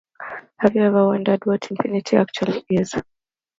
Have you ever wondered what infinity actually is?